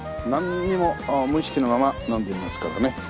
なんにも無意識のまま飲んでみますからね。